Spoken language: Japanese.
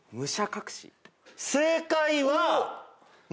正解は。